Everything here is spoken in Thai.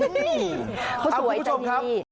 นี่เขาสวยจริง